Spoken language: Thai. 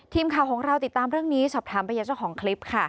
ทีมข่าวของเราติดตามเรื่องนี้สอบถามไปยังเจ้าของคลิปค่ะ